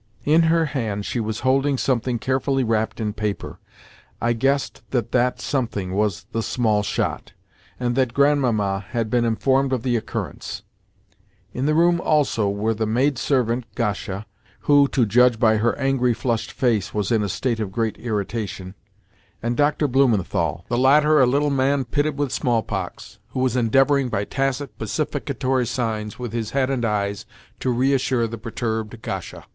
In her hand she was holding something carefully wrapped in paper. I guessed that that something was the small shot, and that Grandmamma had been informed of the occurrence. In the room also were the maidservant Gasha (who, to judge by her angry flushed face, was in a state of great irritation) and Doctor Blumenthal—the latter a little man pitted with smallpox, who was endeavouring by tacit, pacificatory signs with his head and eyes to reassure the perturbed Gasha.